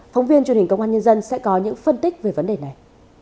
phóng viên truyền hình công an nhân dân sẽ có những phân tích về vấn đề này